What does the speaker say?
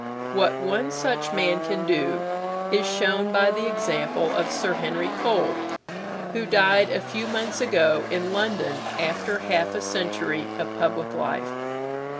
What one such man can do is shown by the example of Sir Henry Cole, who died a few months ago in London after half a century of public life.